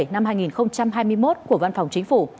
năm hai nghìn hai mươi một của văn phòng chính phủ